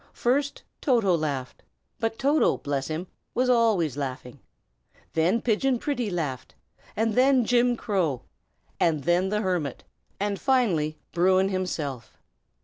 First, Toto laughed but Toto, bless him! was always laughing; and then Pigeon Pretty laughed; and then Jim Crow; and then the hermit; and finally, Bruin himself.